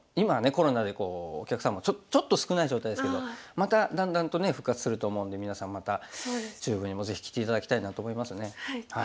コロナでお客さんもちょっと少ない状態ですけどまただんだんとね復活すると思うので皆さんまた中部にもぜひ来て頂きたいなと思いますね。